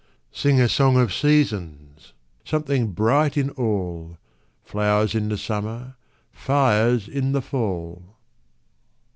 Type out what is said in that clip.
Sing a song of seasons! Something bright in all! Flowers in the summer, Fires in the fall!